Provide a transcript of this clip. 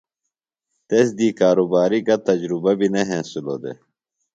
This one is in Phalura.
تس دی کارُباری گہ تجرُبہ بیۡ نہ ہنسِلوۡ دےۡ۔